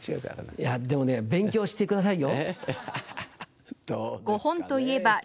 いやでもね勉強してくださいよ。